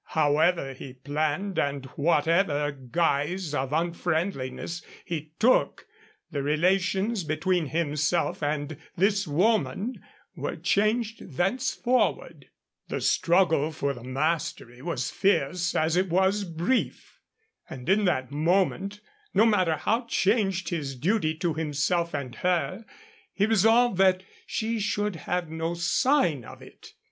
However he planned and whatever guise of unfriendliness he took, the relations between himself and this woman were changed thenceforward. The struggle for the mastery was fierce as it was brief. And in that moment, no matter how changed his duty to himself and her, he resolved that she should have no sign of it.